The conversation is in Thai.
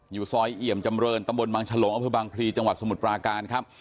อยู่ซอยเหยียมจำเรินตำรวจมังฉลงอพฤบังพลีจังหวัดสมุทรปราการ